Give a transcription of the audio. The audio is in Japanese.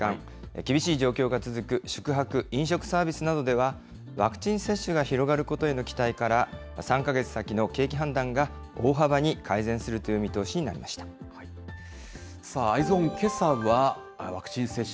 厳しい状況が続く宿泊・飲食サービスなどでは、ワクチン接種が広がることへの期待から、３か月先の景気判断が大幅に改善するといさあ、Ｅｙｅｓｏｎ、けさはワクチン接種。